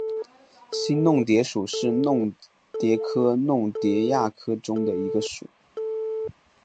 新弄蝶属是弄蝶科弄蝶亚科中的一个属。